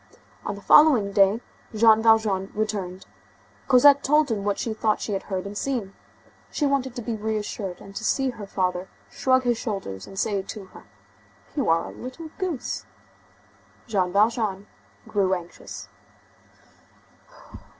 On the following day Jean Valjean returned. Cosette told him what she thought she had heard and seen. She wanted to be reassured and to see her father shrug his shoulders and say to her: "You are a little goose." Jean Valjean grew anxious.